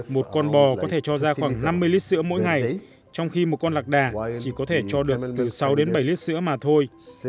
một con bò có thể cho ra khoảng năm mươi lít sữa mỗi ngày trong khi một con lạc đà chỉ có thể cho được từ sáu đến bảy lít sữa mà thôi